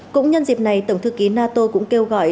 cũng nhân dịp này tổng thư ký nato cũng kêu gọi